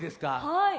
はい。